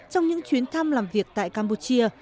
trong những chuyến thăm làm việc tại campuchia